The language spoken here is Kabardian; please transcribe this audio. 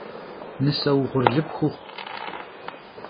Nıse vuğurlı pxuxhu!